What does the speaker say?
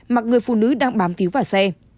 mặc người phụ nữ đang bám víu vào xe